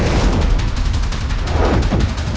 kedai yang menangis